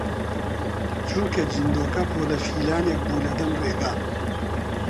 چونکە جندۆکە پۆلە شیلانێک بوو لە دەم ڕێگە